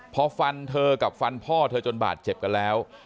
พอฟันเธอกับฟันพ่อเธอจนบาดเจ็บกันแล้ว